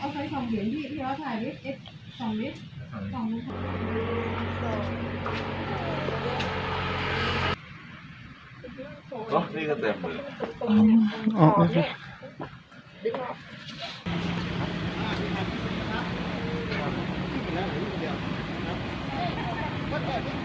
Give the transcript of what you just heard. ที่บริเวณกันเท่าที่